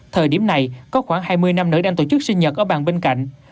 thời điểm này có khoảng hai mươi nam nữ đang tổ chức sinh nhật ở bàn bên cạnh